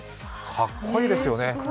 かっこいいですよね。